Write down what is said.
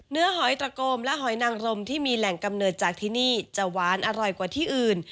หอยตระโกมและหอยนางรมที่มีแหล่งกำเนิดจากที่นี่จะหวานอร่อยกว่าที่อื่น